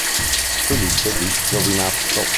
Felice di Giovinazzo.